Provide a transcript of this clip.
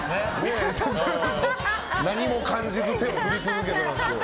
何も感じず手を振り続けてますけど。